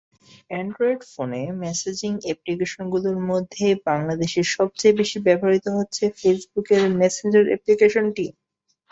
Android ফোনে messaging অ্যাপ্লিকেশনগুলোর মধ্যে বাংলাদেশে সবচেয়ে বেশি ব্যবহৃত হচ্ছে ফেসবুকের মেসেঞ্জার অ্যাপ্লিকেশনটি।